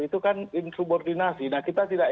itu kan insubordinasi nah kita tidak